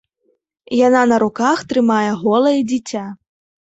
Яна на руках трымае голае дзіця.